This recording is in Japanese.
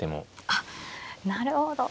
あっなるほど。